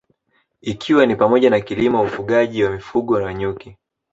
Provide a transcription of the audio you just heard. Ikiwa ni pamoja na kilimo ufugaji wa mifugo na nyuki